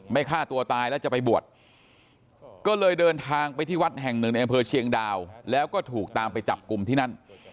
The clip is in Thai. ฆ่าตัวตายแล้วจะไปบวชก็เลยเดินทางไปที่วัดแห่งหนึ่งในอำเภอเชียงดาวแล้วก็ถูกตามไปจับกลุ่มที่นั่น